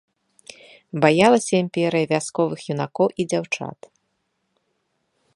Баялася імперыя вясковых юнакоў і дзяўчат.